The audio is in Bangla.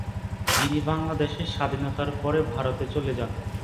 যিনি বাংলাদেশের স্বাধীনতার পরে ভারতে চলে যান।